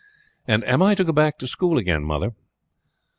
"And am I to go back to school again, mother?"